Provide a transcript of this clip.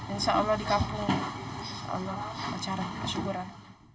insya allah di kampung allah acara syukuran